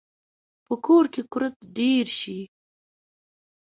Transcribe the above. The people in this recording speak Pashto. په کور کې کورت ډیر شي